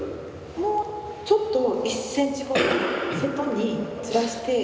もうちょっと１センチほど外にずらして。